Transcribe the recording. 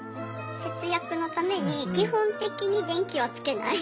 節約のために基本的に電気はつけない。